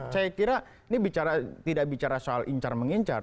saya kira ini tidak bicara soal incar mengincar